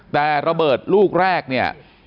แต่ระเบิดลูกแรกเนี่ย